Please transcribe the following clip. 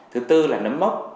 thứ tư là nấm mốc